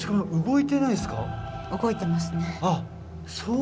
動いてますね。